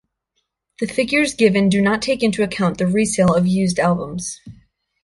The figures given do not take into account the resale of used albums.